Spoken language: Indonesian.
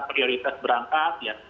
prioritas berangkat ya